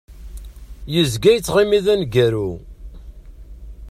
Yezga yettɣimi d aneggaru.